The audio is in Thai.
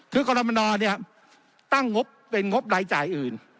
คือกรมนเนี่ยตั้งงบเป็นงบรายจ่ายอื่น